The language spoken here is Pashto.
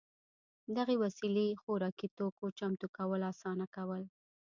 دغې وسیلې خوراکي توکو چمتو کول اسانه کول